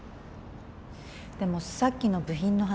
でもさっきの部品の話。